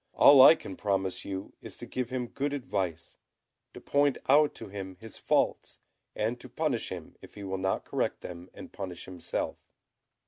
All I can promise you is to give him good advice, to point out to him his faults, and to punish him if he will not correct them and punish himself."